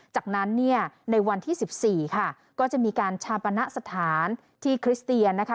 จากนั้นเนี่ยในวันที่๑๔ค่ะก็จะมีการชาปณะสถานที่คริสเตียนนะคะ